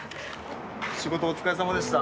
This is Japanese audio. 仕事お疲れさまでした。